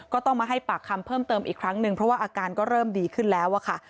ก็ต้องมาให้ปากคำเพิ่มเติมอีกครั้งหนึ่งเพราะว่าอาการก็เริ่มดีขึ้นแล้วอะค่ะ